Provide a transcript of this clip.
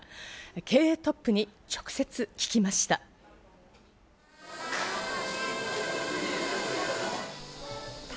経営トップに直接聞きました。